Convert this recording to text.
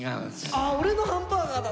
あ俺のハンバーガーだった。